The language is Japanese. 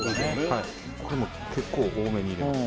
これ結構多めに入れます